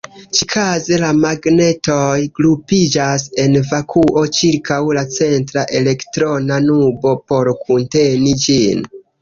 Ĉikaze, la magnetoj grupiĝas en vakuo ĉirkaŭ la centra elektrona nubo, por kunteni ĝin.